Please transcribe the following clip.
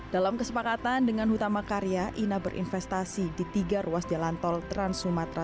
dalam kesepakatan dengan hutama karya ina berinvestasi di tiga ruas jalan tol trans sumatera